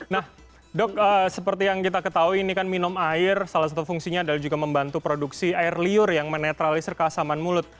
nah dok seperti yang kita ketahui ini kan minum air salah satu fungsinya adalah juga membantu produksi air liur yang menetralisir keasaman mulut